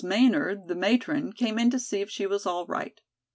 Maynard, the matron, came in to see if she was all right.